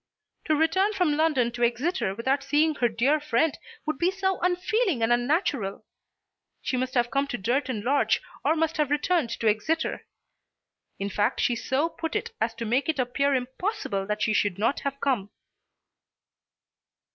To return from London to Exeter without seeing her dear friend would be so unfeeling and unnatural! She must have come to Durton Lodge or must have returned to Exeter. In fact, she so put it as to make it appear impossible that she should not have come.